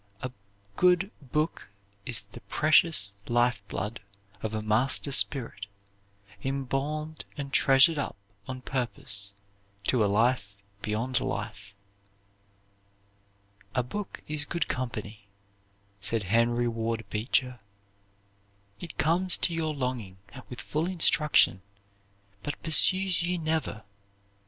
A good Booke is the pretious life blood of a master spirit, imbalm'd and treasur'd up on purpose to a Life beyond Life." "A book is good company," said Henry Ward Beecher. "It comes to your longing with full instruction, but pursues you never.